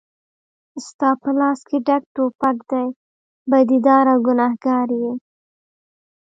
ستا په لاس کې ډک توپک دی بدي دار او ګنهګار یې